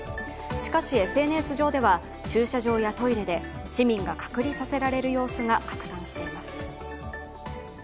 しかし、ＳＮＳ上では駐車場やトイレで市民が隔離させられる様子が拡散しています。